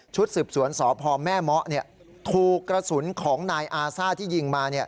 สืบสวนสพแม่เมาะถูกกระสุนของนายอาซ่าที่ยิงมา